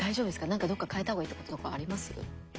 なんかどっか変えた方がいいとことかあります？